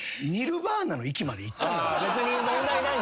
別に問題ない。